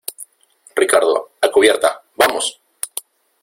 Ricardo, a cubierta. ¡ vamos!